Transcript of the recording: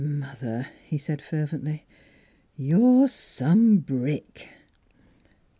" Mother," he said fervently, " you're some brick!"